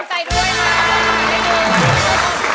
สวัสดีค่ะ